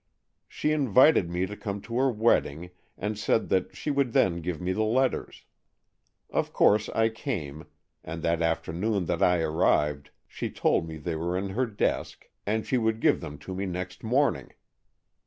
She invited me to come to her wedding, and said that she would then give me the letters. Of course I came, and that afternoon that I arrived she told me they were in her desk, and she would give them to me next morning.